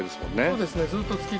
そうですね。